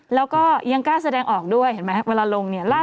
แล้วก็ยังกล้าแสดงออกด้วยเห็นไหมเวลาลงเนี่ย